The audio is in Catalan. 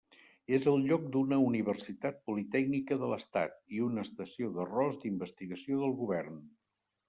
És el lloc d'una universitat politècnica de l'estat i una estació d'arròs d'investigació del govern.